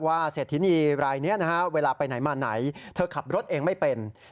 เศรษฐินีรายนี้นะฮะเวลาไปไหนมาไหนเธอขับรถเองไม่เป็น